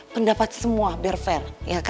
pendapat semua biar fair